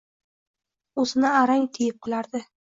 o’zini arang tiyib qolardi.